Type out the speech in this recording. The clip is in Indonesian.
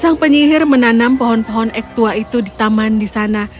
sang penyihir menanam pohon pohon ek tua itu di taman di sana